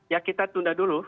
ya kita tunda dulu